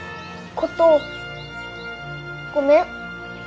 琴ごめん。